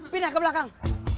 pindah ke belakang